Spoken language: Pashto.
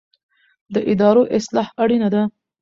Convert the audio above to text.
د ادارو اصلاح اړینه ده